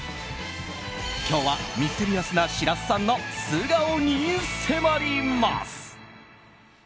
今日はミステリアスな白洲さんの素顔に迫ります。